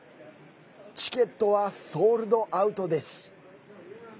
チケットはソールドアウトです。